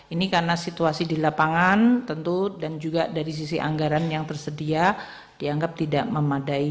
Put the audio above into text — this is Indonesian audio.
ini karena situasi di lapangan tentu dan juga dari sisi anggaran yang tersedia dianggap tidak memadai